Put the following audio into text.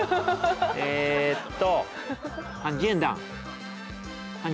えっと。